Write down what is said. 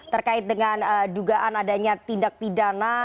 terkait dengan dugaan adanya tindak pidana